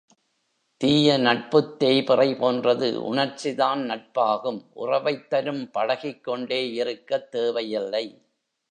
தீய நட்புத் தேய்பிறை போன்றது உணர்ச்சிதான் நட்பாகும் உறவைத் தரும் பழகிக்கொண்டே இருக்கத் தேவை இல்லை.